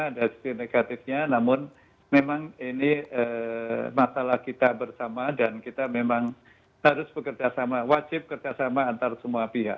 ada sisi negatifnya namun memang ini masalah kita bersama dan kita memang harus bekerja sama wajib kerjasama antar semua pihak